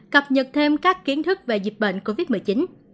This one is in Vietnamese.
cập nhật thêm các kiến thức về dịch bệnh covid một mươi chín